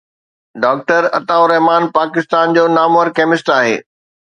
doctor Atta ur Rahman Pakistan جو نامور chemist آهي